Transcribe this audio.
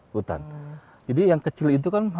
hutan jadi yang kecil itu kan